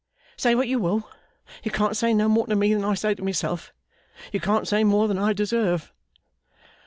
Say what you will. You can't say more to me than I say to myself. You can't say more than I deserve.